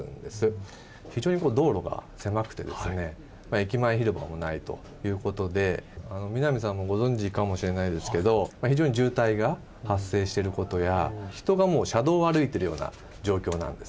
駅前広場もないということで南さんもご存じかもしれないですけど非常に渋滞が発生してることや人がもう車道を歩いてるような状況なんですね。